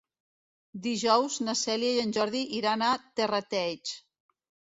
Dijous na Cèlia i en Jordi iran a Terrateig.